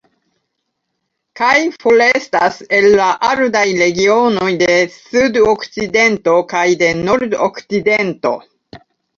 Kaj forestas el la aridaj regionoj de Sudokcidento kaj de Nordoriento.